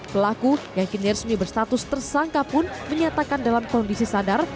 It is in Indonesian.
pelaku yang kini resmi berstatus tersangka pun menyatakan dalam kondisi sadar